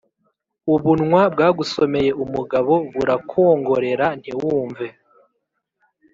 Ubunwa bwagusomeye umugabo burakwongrera ntiwumve.